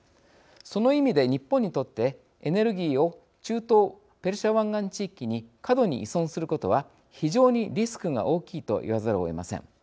その意味で日本にとってエネルギーを中東ペルシャ湾岸地域に過度に依存することは非常にリスクが大きいと言わざるをえません。